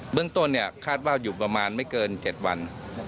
เรื่องต้นคาดว่าอยู่ประมาณไม่เกิน๗วัน